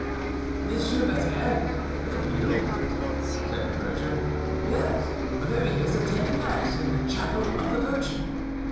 "Monsieur Bazin, the beadle?" said the verger. "Yes. There he is, attending mass, in the chapel of the Virgin."